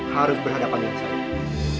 harus berhadapan dengan sabar